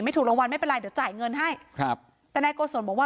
ถูกรางวัลไม่เป็นไรเดี๋ยวจ่ายเงินให้ครับแต่นายโกศลบอกว่า